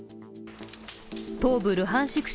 東部ルハンシク